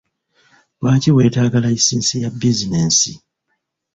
Lwaki weetaaga layisinsi ya bizinensi?